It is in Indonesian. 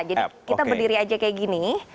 jadi kita berdiri aja kayak gini